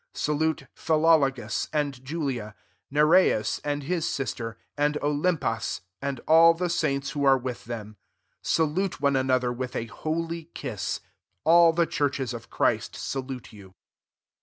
15 Salute Philologus and Julia, Nereus and his sister, and Olympas, and all the saints who are with them. 16 Salute one another with a holy kiss. All the churches of JChrist salute you.